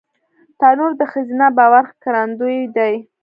تنور د ښځینه باور ښکارندوی دی